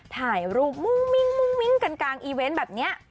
ถ่ายรูปมุ้งมิ้งกันกลางอีเวนต์แบบนี้